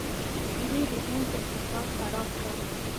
دوی د هند اقتصاد خراب کړ.